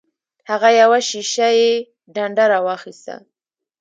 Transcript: هغه یوه شیشه یي ډنډه راواخیسته.